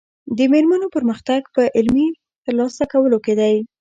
د مېرمنو پرمختګ په علمي ترلاسه کولو کې دی.